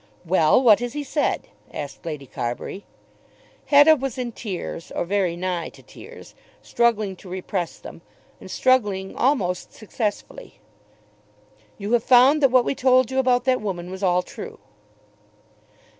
"Well; what has he said?" asked Lady Carbury. Hetta was in tears, or very nigh to tears, struggling to repress them, and struggling almost successfully. "You have found that what we told you about that woman was all true."